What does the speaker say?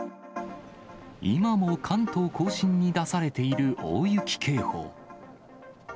今も関東甲信に出されている大雪警報。